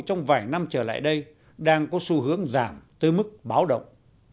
trong vài năm trở lại đây đang có xu hướng giảm tới mức báo động